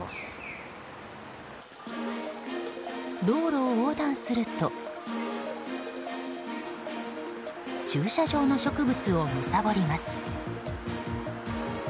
道路を横断すると駐車場の植物をむさぼります。